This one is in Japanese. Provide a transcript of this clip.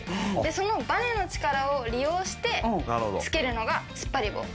そのバネの力を利用してつけるのがつっぱり棒。